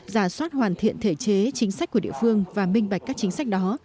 giả soát hoàn thiện thể chế chính sách của địa phương và minh bạch các chính sách đó